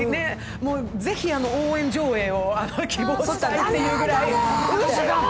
是非応援上映を希望したいというぐらい。